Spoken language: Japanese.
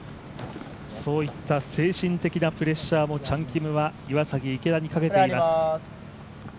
そういった精神的なプレッシャーもチャン・キムは岩崎、池田にかけています。